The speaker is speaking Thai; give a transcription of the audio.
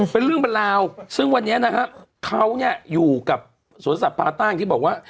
เป็นเรื่องเป็นราวซึ่งวันนี้นะฮะเขาเนี่ยอยู่กับสวนสัตว์พาต้างที่บอกว่า